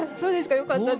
よかったです。